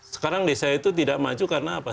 sekarang desa itu tidak maju karena apa